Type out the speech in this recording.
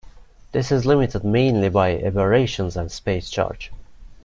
This is limited mainly by aberrations and space charge.